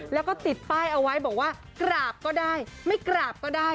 แล้วก็ติดป้ายเอาไว้บอกว่ากราบก็ได้ไม่กราบก็ได้